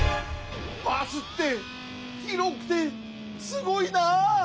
バスってひろくてすごいなかっこ